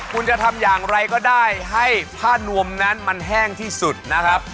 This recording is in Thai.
คุณจะทำอย่างไรก็ได้ให้ผ้านวมนั้นมันแห้งที่สุดนะครับ